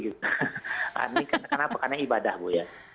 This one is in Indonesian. ini kenapa karena ibadah bu ya